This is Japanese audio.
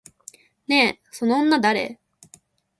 ねえ、その女誰？